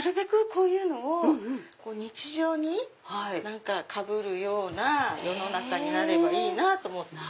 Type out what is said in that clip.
こういうのを日常にかぶるような世の中になればいいなと思って。